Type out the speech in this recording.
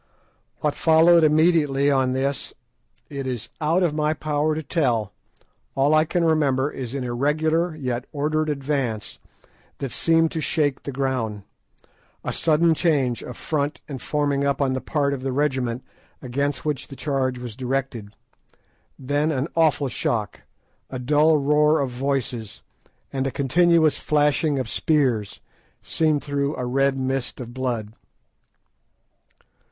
What followed immediately on this it is out of my power to tell. All I can remember is an irregular yet ordered advance, that seemed to shake the ground; a sudden change of front and forming up on the part of the regiment against which the charge was directed; then an awful shock, a dull roar of voices, and a continuous flashing of spears, seen through a red mist of blood.